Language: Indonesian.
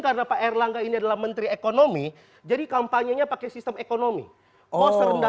karena pak erlangga ini adalah menteri ekonomi jadi kampanyenya pakai sistem ekonomi oh serendah